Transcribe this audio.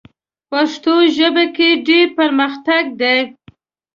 پښتو ژبه کې ډېر پرمختګ دی.